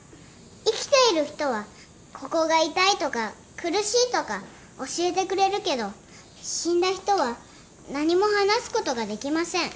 「生きている人はここが痛いとか苦しいとか教えてくれるけど死んだ人は何も話すことができません」